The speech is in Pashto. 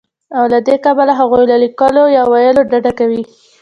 او له دې کبله هغوی له ليکلو يا ويلو ډډه کوي